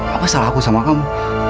apa salah aku sama kamu